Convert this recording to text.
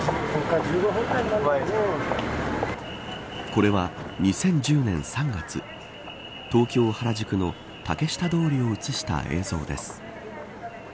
これは２０１０年３月東京、原宿の竹下通りを映した映像です。